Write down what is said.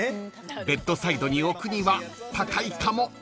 ［ベッドサイドに置くには高いかも］